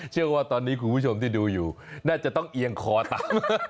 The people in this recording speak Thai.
เชื่อว่าตอนนี้คุณผู้ชมที่ดูอยู่น่าจะต้องเอียงคอตาม